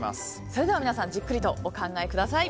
それでは皆さんじっくりとお考えください。